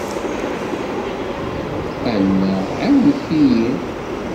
Annaɣ! ɛiwnet-iyi!